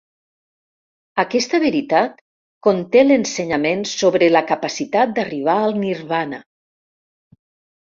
Aquesta veritat conté l'ensenyament sobre la capacitat d'arribar al Nirvana